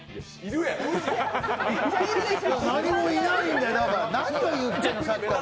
何もいないんだよ、何を言ってんの、さっきから。